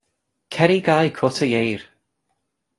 Cer i gau cwt yr ieir.